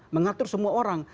mengatur semua orang